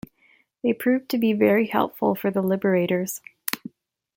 They proved to be very helpful for the liberators.